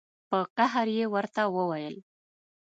په قهر یې ورته وویل.